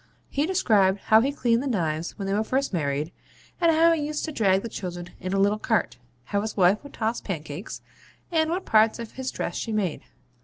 He described how he cleaned the knives when they were first married; and how he used to drag the children in a little cart; how his wife could toss pancakes; and what parts of his dress she made.